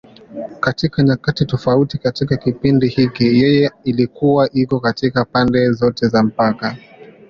Katika nyakati tofauti katika kipindi hiki, yeye ilikuwa iko katika pande zote za mpaka.